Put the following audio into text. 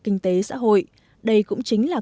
kinh tế xã hội đây cũng chính là